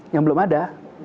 yang belum ada